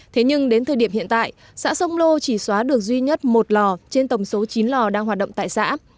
thế nhưng đến thời điểm hiện tại xã sông lô chỉ xóa được duy nhất một lò trên tổng số chín lò đang hoạt động tại xã